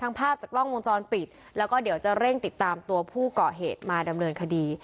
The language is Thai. ภาพจากกล้องวงจรปิดแล้วก็เดี๋ยวจะเร่งติดตามตัวผู้เกาะเหตุมาดำเนินคดี